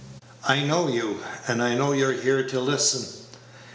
I know you, and I know you're here to listen.